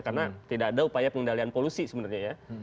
karena tidak ada upaya pengendalian polusi sebenarnya ya